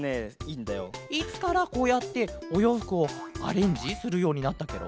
いつからこうやっておようふくをアレンジするようになったケロ？